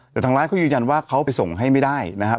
แต่ทางร้านเขายืนยันว่าเขาไปส่งให้ไม่ได้นะครับ